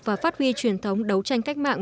và phát huy truyền thống đấu tranh cách mạng